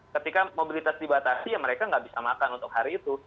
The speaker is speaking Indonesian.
ketika mobilitas dibatasi ya mereka nggak bisa makan untuk hari itu